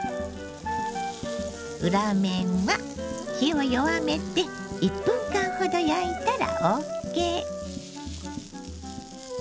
裏面は火を弱めて１分間ほど焼いたらＯＫ。